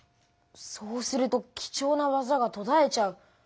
そうするとき重な技がとだえちゃう。